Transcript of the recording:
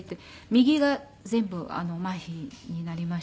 右が全部マヒになりまして。